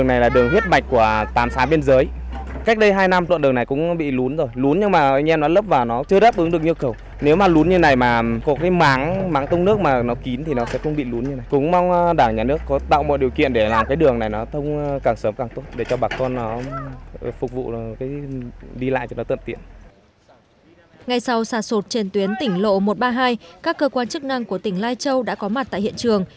ngay sau sạt sụt trên tuyến tỉnh lộ một trăm ba mươi hai các cơ quan chức năng của tỉnh lai châu đã có mặt tại hiện trường